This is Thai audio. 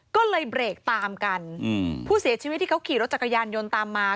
ก็เลยเบรกตามกันอืมผู้เสียชีวิตที่เขาขี่รถจักรยานยนต์ตามมา